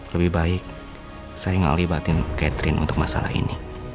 lebih baik saya ngelibatin catherine untuk masalah ini